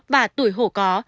và tuổi hổ có